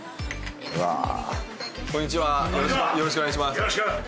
うわよろしくお願いします